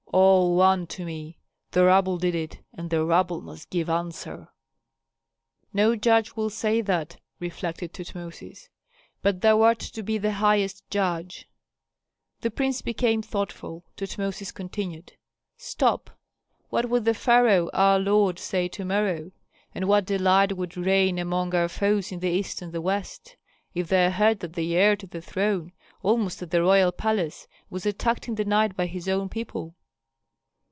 "All one to me. The rabble did it, and the rabble must give answer." "No judge will say that," reflected Tutmosis. "But thou art to be the highest judge." The prince became thoughtful. Tutmosis continued, "Stop! what would the pharaoh our lord say to morrow? And what delight would reign among our foes in the east and the west, if they heard that the heir to the throne, almost at the royal palace, was attacked in the night by his own people?"